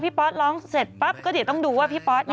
พอพี่ป๊อสร้องเสร็จปั๊บก็จะต้องดูว่าพี่ป๊อสนี่